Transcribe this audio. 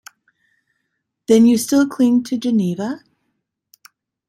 Then you still cling to Geneva?